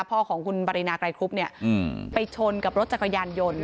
พ่อของคุณบรินาคไกลคลุปไปชนกับรถจักรยานยนต์